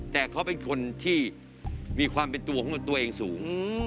แต่เขาเป็นคนที่มีความเป็นตัวของตัวเองสูง